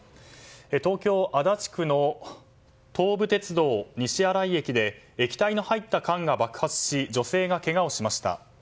東京・足立区の東武鉄道西新井駅で液体の入った缶が爆発し女性がけがをしました。